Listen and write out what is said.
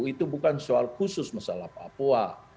itu bukan soal khusus masalah papua